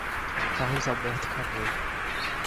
Carlos Alberto Camelo